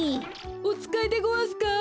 おつかいでごわすか？